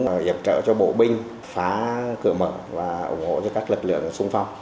để giảm trợ cho bộ binh phá cửa mở và ủng hộ cho các lực lượng xung phong